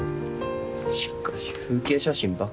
しかし風景写真ばっか。